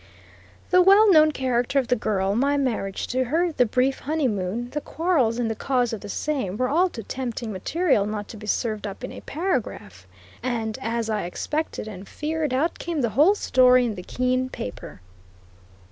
The well known character of the girl, my marriage to her, the brief honeymoon, the quarrels and the cause of the same, were all too tempting material not to be served up in a paragraph, and as I expected and feared, out came the whole story in the Keene paper.